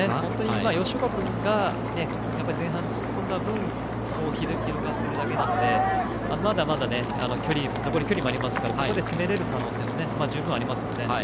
吉岡君が前半、突っ込んだ分広がっているだけなのでまだまだ残り距離もありますからそこで詰められる可能性も十分ありますね。